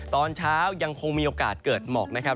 ตอนเช้ายังคงมีโอกาสเกิดหมอกนะครับ